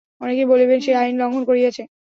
অনেকেই বলিবেন, সে আইন লঙ্ঘন করিয়াছে।